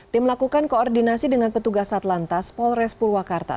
tim melakukan koordinasi dengan petugas atlantas polres purwakarta